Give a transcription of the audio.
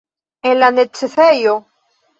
En la necesejo?